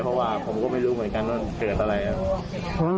เพราะว่าผมก็ไม่รู้เหมือนกันว่าเกิดอะไรครับ